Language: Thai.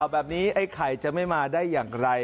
แบบนี้ไอ้ไข่จะไม่มาได้อย่างไร